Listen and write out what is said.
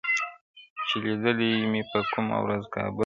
چي لیدلی مي په کومه ورځ کابل دی-